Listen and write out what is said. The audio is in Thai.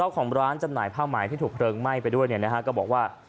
ของร้านจำหน่ายผ้าไหมที่ถูกเพลิงไหม้ไปด้วยเนี่ยนะฮะก็บอกว่า